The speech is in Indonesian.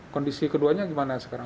kondisi keduanya gimana sekarang